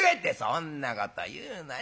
「そんなこと言うなよ。